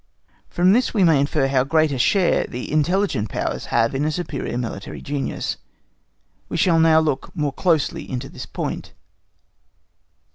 From this we may infer how great a share the intelligent powers have in superior military genius. We shall now look more closely into this point.